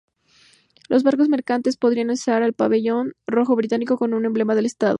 Los barcos mercantes podían izar el pabellón rojo británico con un emblema del estado.